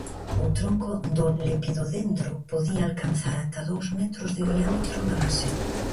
O tronco do lepidodendro podía alcanzar ata dous metros de diámetro na base.